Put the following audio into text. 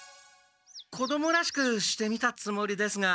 子どもらしくしてみたつもりですが。